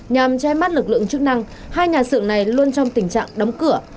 nhằm che mắt lực lượng chức năng hai nhà xưởng này luôn trong tình trạng đóng cửa